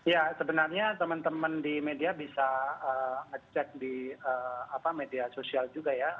ya sebenarnya teman teman di media bisa ngecek di media sosial juga ya